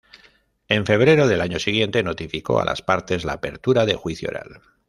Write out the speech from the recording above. En febrero del año siguiente notificó a las partes la apertura de juicio oral.